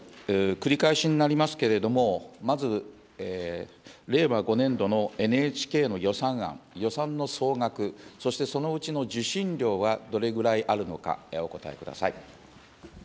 繰り返しになりますけれども、まず令和５年度のＮＨＫの予算案、予算の総額、そしてそのうちの受信料はどれぐらいあるのか、お答えください。